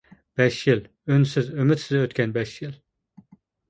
بەش يىل. ئۈنسىز، ئۈمىدسىز ئۆتكەن بەش يىل!